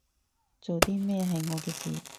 做啲咩係我嘅事